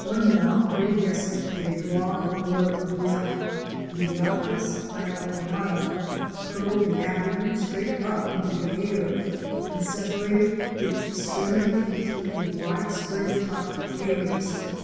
One moth, irides cent with a broad border of black (Eudioptis hyalinata), curled the abdomen straight up into the air, and separated its extremity into a wide spread tuft of hairs.